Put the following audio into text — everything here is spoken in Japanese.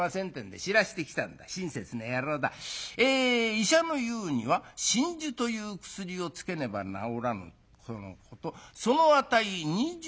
『医者の言うには真珠という薬をつけねば治らぬとのことその値２０両』。